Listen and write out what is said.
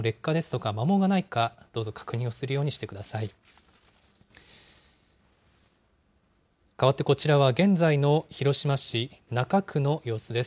かわってこちらは現在の広島市中区の様子です。